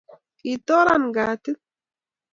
kitoran kate